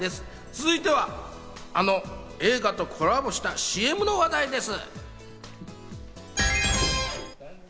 続いては、あの映画とコラボしたＣＭな話題です。